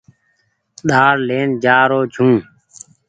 ڏآڙ لين جآرو ڇون ۔